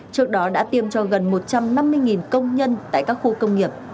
trước đó đã tiêm cho gần một trăm năm mươi công nhân tại các khu công nghiệp